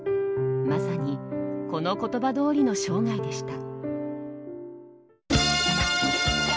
まさにこの言葉どおりの生涯でした。